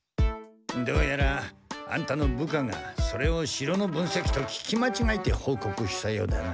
どうやらあんたの部下がそれを城の分析と聞きまちがえて報告したようだな。